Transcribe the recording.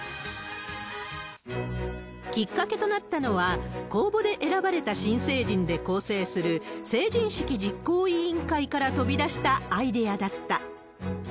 きっかけとなったのは、公募で選ばれた新成人で構成する成人式実行委員会から飛び出したアイデアだった。